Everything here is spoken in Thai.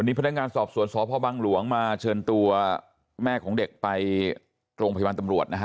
พนักงานสอบสวนสพบังหลวงมาเชิญตัวแม่ของเด็กไปโรงพยาบาลตำรวจนะฮะ